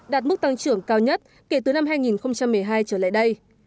đạt mức tăng trưởng cao nhất kể từ năm hai nghìn một mươi hai trở lại đây